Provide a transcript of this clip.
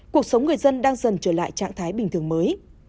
cuộc sống người dân đang dần trở lại trạng thái bình thường mới